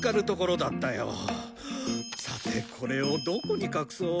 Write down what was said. さてこれをどこに隠そう。